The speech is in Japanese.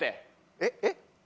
えっ？えっ？